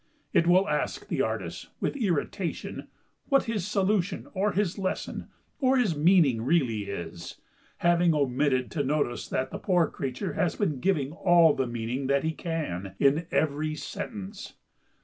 It will ask the artist, with irritation, what his solution, or his lesson, or his meaning, really is, having omitted to notice that the poor creature has been giving all the meaning that he can, in every sentence.